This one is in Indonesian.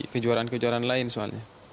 kejuaraan kejuaraan lain soalnya